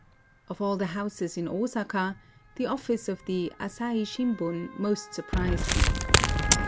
Of all the houses in Osaka, the office of the " Asahi Shimbun " most surprised me.